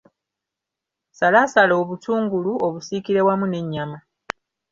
Salaasala obutungulu obusiikire wamu n'ennyama.